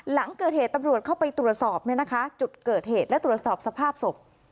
หลังเกิดเหตุตำรวจเข้าไปตรวจสอบเนี่ยนะคะจุดเกิดเหตุและตรวจสอบสภาพศพ